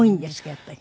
やっぱり。